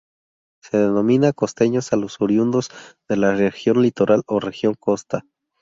Se denomina "costeños" a los oriundos de la Región Litoral o Región Costa.